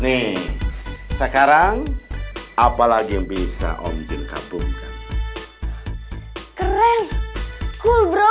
nih sekarang apalagi yang bisa om jin kabungkan keren kulbra